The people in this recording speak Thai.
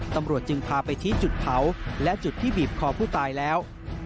ตำรวจจึงพาไปที่จุดเผาและจุดที่บีบคอผู้ตายแล้ว